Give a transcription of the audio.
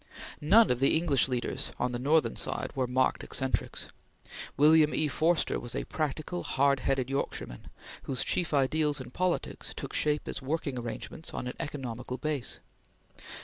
None of the English leaders on the Northern side were marked eccentrics. William E. Forster was a practical, hard headed Yorkshireman, whose chief ideals in politics took shape as working arrangements on an economical base.